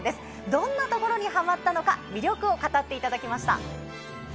どんなところにハマったのか魅力を語っていただきました。